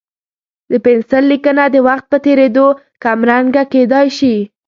د پنسل لیکنه د وخت په تېرېدو کمرنګه کېدای شي.